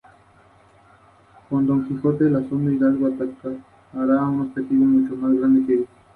Fue colaborador de diversas revistas.